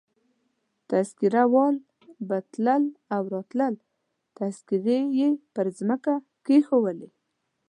تذکیره والا به تلل او راتلل، تذکیرې يې پر مځکه کښېښولې.